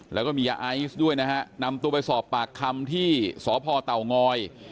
แล้วก็มีอีซด้วยนะฮะนำตัวไปสอบปากคลำที่สเยาภาษณ์เต๋างอย